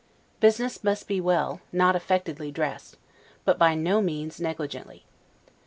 Business must be well, not affectedly dressed; but by no means negligently.